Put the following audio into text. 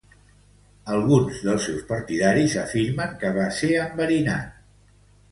Alguns dels seus partidaris afirmen que va ser enverinat.